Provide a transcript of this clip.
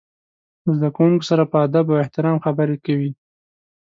له زده کوونکو سره په ادب او احترام خبرې کوي.